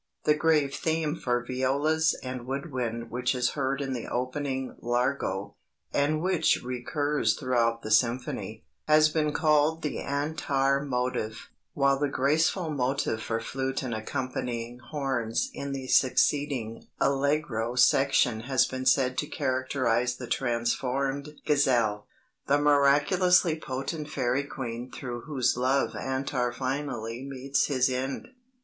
" The grave theme for violas and wood wind which is heard in the opening Largo, and which recurs throughout the symphony, has been called the "Antar" motive; while the graceful motive for flute and accompanying horns in the succeeding Allegro section has been said to characterize the transformed gazelle the miraculously potent fairy queen through whose love Antar finally meets his end.